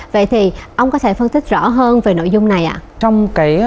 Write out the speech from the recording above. vậy thì ông có thể phân tích rõ hơn về nội dung này ạ